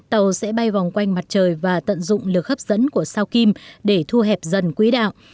tàu sẽ bay vòng quanh mặt trời và tận dụng lực hấp dẫn của sao kim để thu hẹp dần quỹ đạo